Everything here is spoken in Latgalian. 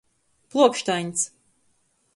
Pluokštaiņs.